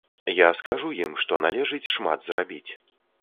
Я скажу ім, што належыць шмат зрабіць.